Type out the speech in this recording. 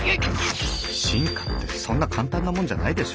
進化ってそんな簡単なもんじゃないでしょ。